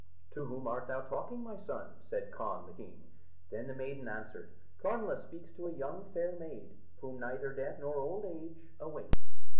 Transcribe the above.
"To whom art thou talking, my son?" said Conn the king. Then the maiden answered, "Connla speaks to a young, fair maid, whom neither death nor old age awaits.